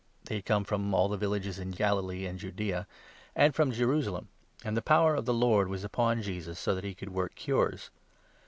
(They had come from all the villages in Galilee and Judaea, and from Jerusalem ; and the power of the Lord was upon Jesus, so that he could work cures.)